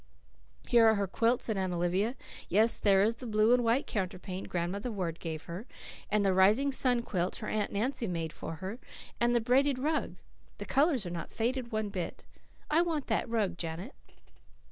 "Here are her quilts," said Aunt Olivia. "Yes, there is the blue and white counterpane Grandmother Ward gave her and the Rising Sun quilt her Aunt Nancy made for her and the braided rug. The colours are not faded one bit. I want that rug, Janet."